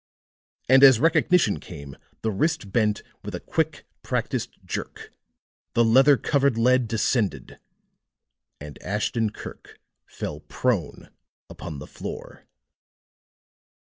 And as recognition came, the wrist bent with a quick practised jerk, the leather covered lead descended, and Ashton Kirk fell prone upon the floor.